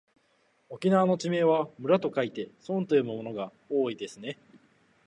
沖縄の地名は村と書いてそんと読むものが多いですね。